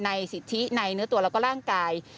สิทธิในเนื้อตัวแล้วก็ร่างกาย